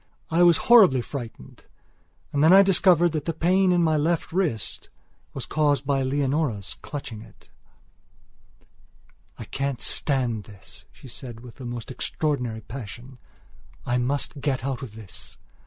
I was horribly frightened and then I discovered that the pain in my left wrist was caused by Leonora's clutching it: "I can't stand this," she said with a most extraordinary passion; "I must get out of this."